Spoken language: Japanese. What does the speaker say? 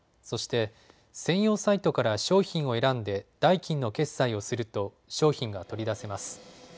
そして専用サイトから商品を選んで代金の決済をすると商品が取り出せます。